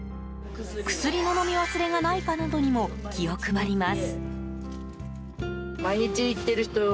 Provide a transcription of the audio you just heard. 薬の飲み忘れがないかなどにも気を配ります。